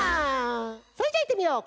それじゃあいってみよう！